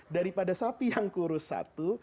daripada sapi yang kurus satu